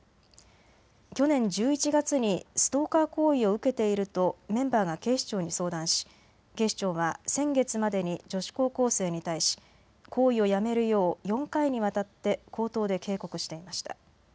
去年１１月にストーカー行為を受けているとメンバーが警視庁に相談し、警視庁は先月までに女子高校生に対し行為をやめるよう４回にわたって口頭で警告していました。